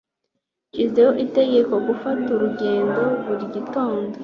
Nshizeho itegeko gufata urugendo buri gitondo.